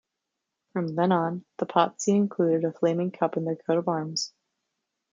From then on, the Pazzi included a flaming cup in their coat of arms.